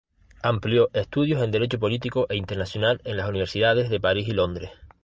Amplió estudios en Derecho Político e Internacional en las Universidades de París y Londres.